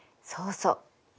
そうそう。